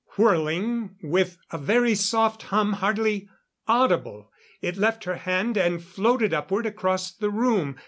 Whirling with a very soft hum hardly audible, it left her hand and floated upward across the room.